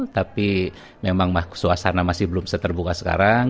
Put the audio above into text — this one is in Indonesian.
tapi memang suasana masih belum seterbuka sekarang